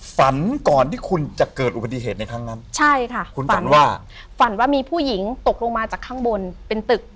ฝันก่อนที่คุณจะเกิดอุบัติเหตุในครั้งนั้นใช่ค่ะคุณฝันว่าฝันว่ามีผู้หญิงตกลงมาจากข้างบนเป็นตึก